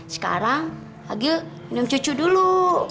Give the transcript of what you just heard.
sekarang agil minum cucu dulu